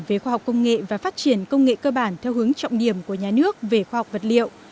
về khoa học công nghệ và phát triển công nghệ cơ bản theo hướng trọng điểm của nhà nước về khoa học vật liệu